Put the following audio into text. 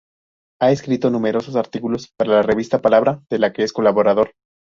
Ha escrito numerosos artículos para la revista "Palabra", de la que es colaborador.